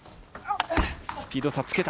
スピード差つけた。